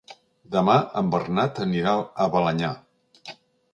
Demà en Bernat anirà a Balenyà.